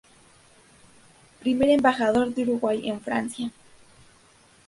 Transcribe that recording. Primer Embajador del Uruguay en Francia.